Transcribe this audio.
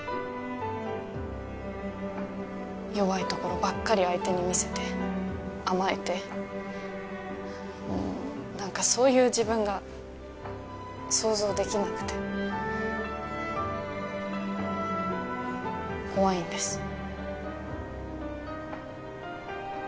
弱いところばっかり相手に見せて甘えてうーん何かそういう自分が想像できなくて怖いんです